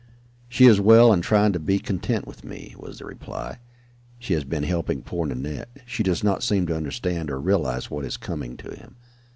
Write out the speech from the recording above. "She is well and trying to be content with me," was the reply. "She has been helping poor Nanette. She does not seem to understand or realize what is coming to him.